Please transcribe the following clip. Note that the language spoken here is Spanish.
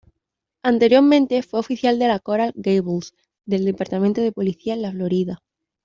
Anteriormente, fue oficial de la Coral Gables, del departamento de policía en la Florida.